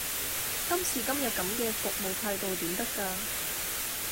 今時今日咁嘅服務態度點得㗎？